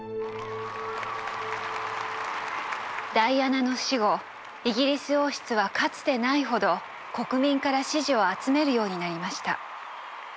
ダイアナの死後イギリス王室はかつてないほど国民から支持を集めるようになりました。